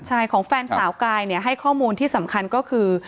ใช่ของแฟนสาวกายให้ข้อมูลที่สำคัญก็คือ